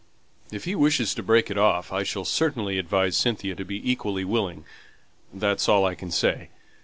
"If he wishes to break it off, I shall certainly advise Cynthia to be equally willing, that's all I can say.